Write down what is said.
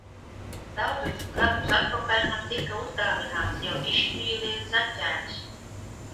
Daudzus gadus atpakaļ man tika uzdāvināts jau izšķīlies zaķēns.